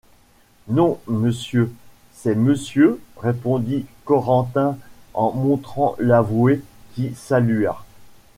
Non, monsieur, c’est monsieur, répondit Corentin en montrant l’avoué qui salua.